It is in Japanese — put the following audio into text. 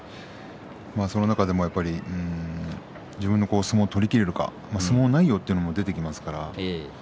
その中でも自分の相撲を取りきれるか相撲内容というのも出てきますから